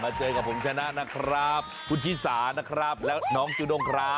เจอกับผมชนะนะครับคุณชิสานะครับแล้วน้องจูด้งครับ